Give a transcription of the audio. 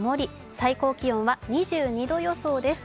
最高気温は２２度予想です。